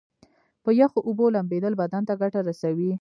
په یخو اوبو لمبیدل بدن ته ګټه رسوي.